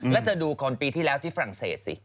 แล้วเธอดูคนปีที่แล้วที่ฝรั่งเศสสิ